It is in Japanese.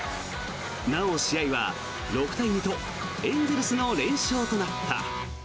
なお試合は６対２とエンゼルスの連勝となった。